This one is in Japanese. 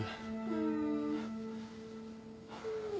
うん。